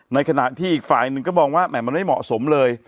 ในขณะที่อีกฝ่ายหนึ่งก็มองว่าแหม่มันไม่เหมาะสมเลย